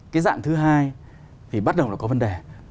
cái dạng thứ hai thì bắt đầu là có vấn đề